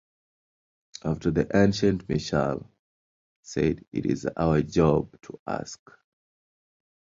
After the incident Mitchell said, It is our job to ask.